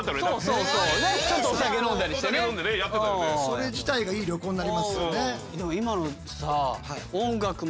それ自体がいい旅行になりますよね。